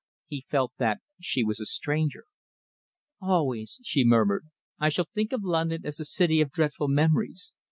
He felt that she was a stranger. "Always," she murmured, "I shall think of London as the city of dreadful memories.